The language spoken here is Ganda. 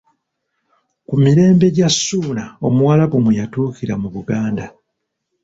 Ku mirembe gya Ssuuna Omuwarabu mwe yatuukira mu Buganda.